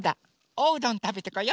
おうどんたべてこよ！